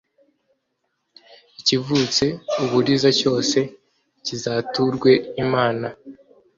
ikivutse uburiza cyose kizaturwe imana